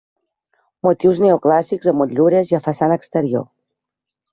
Motius neoclàssics a motllures i a façana exterior.